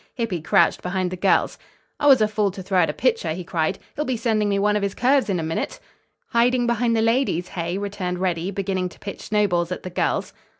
Hippy crouched behind the girls. "I was a fool to throw at a pitcher," he cried; "he'll be sending me one of his curves in a minute." "Hiding behind the ladies, hey?" returned Reddy, beginning to pitch snowballs at the girls.